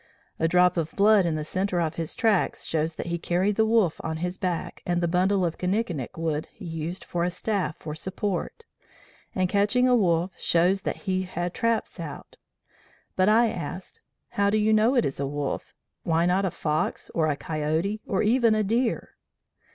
A drop of blood in the centre of his tracks shows that he carried the wolf on his back, and the bundle of kinikinic wood he used for a staff for support, and catching a wolf, shows that he had traps out.' But I asked, 'how do you know it is wolf; why not a fox, or a coyote, or even a deer?'